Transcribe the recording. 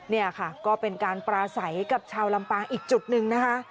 นี่ค่ะก็เป็นการปราศัยกับชาวลำปางอีกจุดหนึ่งนะคะ